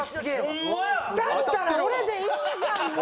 だったら俺でいいじゃんもう。